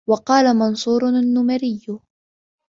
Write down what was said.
وَقَالَ مَنْصُورٌ النَّمَرِيُّ